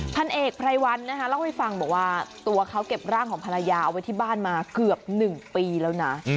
พันเอกไพรวันนะคะเล่าให้ฟังบอกว่าตัวเขาเก็บร่างของภรรยาเอาไว้ที่บ้านมาเกือบ๑ปีแล้วนะ